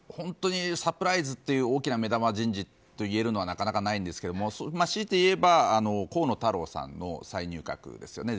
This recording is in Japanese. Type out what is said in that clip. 本当にサプライズという大きな目玉人事と言えるのはなかなかないんですけどもしいて言えば河野太郎さんの再入閣ですよね。